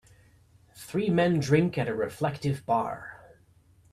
Three men drink at a reflective bar.